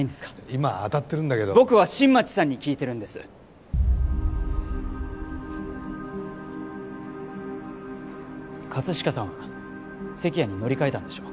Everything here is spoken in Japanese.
今あたってるんだけど僕は新町さんに聞いてるんです葛飾さんは関谷に乗り換えたんでしょ？